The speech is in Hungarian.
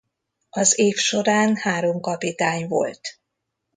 Az év során három kapitány volt.